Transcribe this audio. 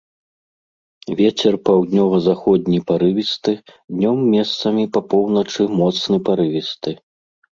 Вецер паўднёва-заходні парывісты, днём месцамі па поўначы моцны парывісты.